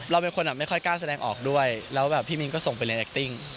เราเป็นคนไม่ค่อยกล้าแสดงออกด้วยแล้วแบบพี่มินก็ส่งไปเรียนแอคติ้ง